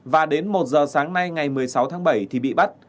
và đến một giờ sáng nay ngày một mươi sáu tháng bảy thì bị bắt